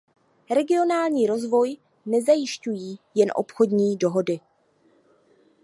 Regionální rozvoj nezajišťují jen obchodní dohody.